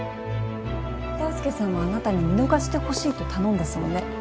大介さんはあなたに見逃してほしいと頼んだそうね？